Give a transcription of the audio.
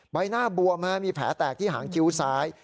ใบหน้าบวมมีแผลแตกที่หางคิ้วซ้าย